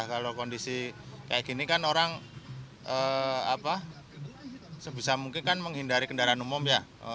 kalau kondisi kayak gini kan orang sebisa mungkin kan menghindari kendaraan umum ya